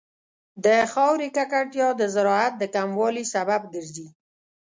د خاورې ککړتیا د زراعت د کموالي سبب ګرځي.